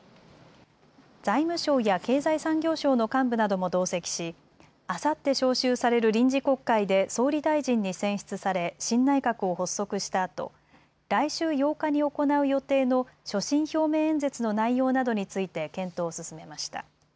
財務省や経済産業省の幹部なども同席しあさって召集される臨時国会で総理大臣に選出され新内閣を発足したあと来週８日に行う予定の所信表明演説の内容などについて検討を進めました。